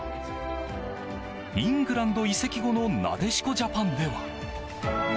イングランド移籍後のなでしこジャパンでは。